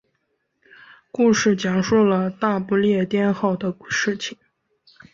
故事讲述了大不列颠号的事情。